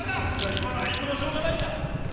これはいつもしょうがないんだ。